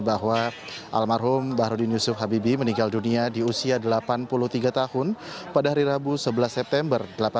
bahwa almarhum bahrudin yusuf habibi meninggal dunia di usia delapan puluh tiga tahun pada hari rabu sebelas september